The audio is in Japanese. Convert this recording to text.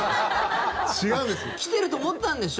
違うんです。来てると思ったんでしょ？